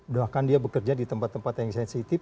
bahkan dia bekerja di tempat tempat yang sensitif